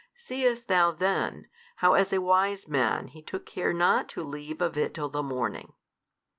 Seest thou then, how as a wise man he took care not to leave of it till the morning?